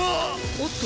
おっと！